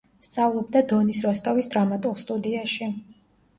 სწავლობდა დონის როსტოვის დრამატულ სტუდიაში.